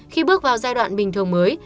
khi bước vào giai đoạn bình thường mới